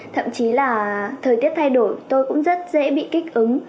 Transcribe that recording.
thậm chí là thời tiết thay đổi tôi cũng rất dễ bị kích ứng